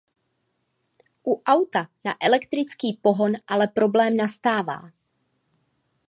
U auta na elektrický pohon ale problém nastává.